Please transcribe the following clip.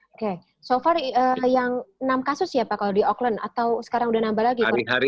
oke so far yang enam kasus ya pak kalau di auckland atau sekarang sudah nambah lagi